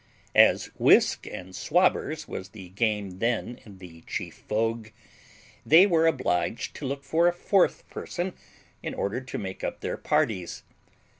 As whisk and swabbers was the game then in the chief vogue, they were obliged to look for a fourth person in order to make up their parties.